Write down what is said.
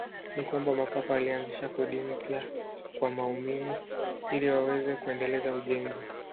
Ni kwamba Mapapa walianzisha kodi mpya kwa waumini ili waweze kuendeleza ujenzi.